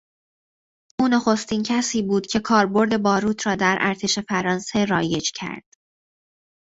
او نخستین کسی بود که کاربرد باروت را در ارتش فرانسه رایج کرد.